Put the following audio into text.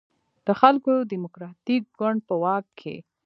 د خلکو دیموکراتیک ګوند په واک کې.